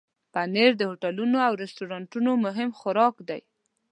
پنېر د هوټلونو او رستورانونو مهم خوراک دی.